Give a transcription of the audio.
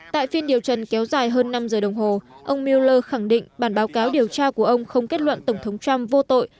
tại phiên điều trần kéo dài hơn năm giờ đồng hồ ông mueller khẳng định bản báo cáo điều tra của ông không kết luận tổng thống trump vô tội